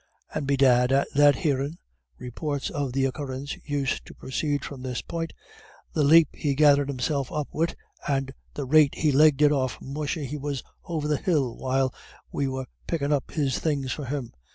"And bedad at that hearin'," reports of the occurrence used to proceed from this point, "the lep he gathered himself up wid, and the rate he legged it off musha, he was over the hill while we were pickin' up his things for him.